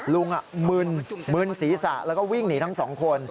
มึนมึนศีรษะแล้วก็วิ่งหนีทั้งสองคน